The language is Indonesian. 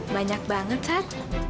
banyak banget sat